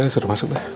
sura masuk ya